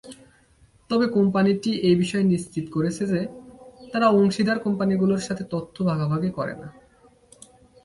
তবে কোম্পানিটি এ বিষয়ে নিশ্চিত করেছে যে, তারা অংশীদার কোম্পানিগুলোর সাথে তথ্য ভাগাভাগি করে না।